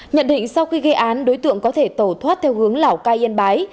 nhận định sau khi gây án đối tượng có thể tẩu thoát theo hướng lào cai yên bái